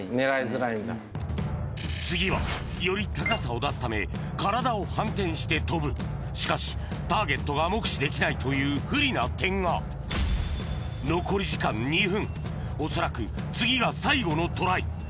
次はより高さを出すため体を反転して跳ぶしかしターゲットが目視できないという不利な点が残り時間２分恐らく次が最後のトライ